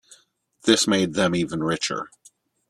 This made them even richer.